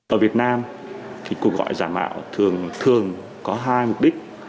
ở việt nam cuộc gọi giả mạo thường có hai mục đích